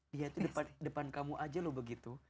dia itu depan kamu aja loh begitu